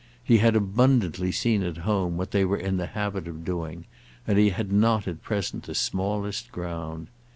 He had abundantly seen at home what they were in the habit of doing, and he had not at present the smallest ground.